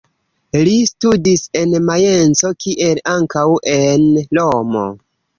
Li studis en Majenco kiel ankaŭ en Romo.